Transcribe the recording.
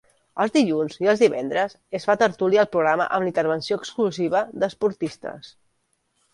Els dilluns i els divendres es fa tertúlia al programa amb la intervenció exclusiva d'esportistes.